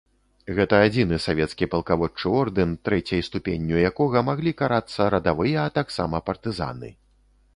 Гэта адзіны савецкі палкаводчы ордэн, трэцяй ступенню якога маглі карацца радавыя, а таксама партызаны.